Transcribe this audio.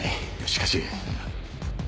しかし。